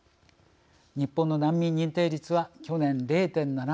日本の難民認定率は去年０．７％。